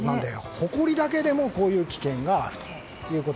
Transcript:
ほこりだけでもこういう危険があるということ。